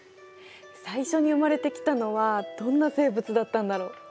最初に生まれてきたのはどんな生物だったんだろう？